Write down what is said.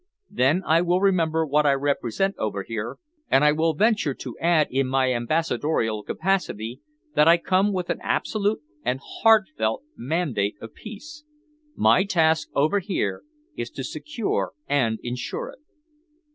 Then I will remember what I represent over here, and I will venture to add in my ambassadorial capacity that I come with an absolute and heartfelt mandate of peace. My task over here is to secure and ensure it."